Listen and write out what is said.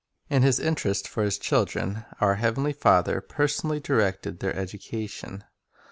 In His interest for His children, our heavenly Father personally directed their education.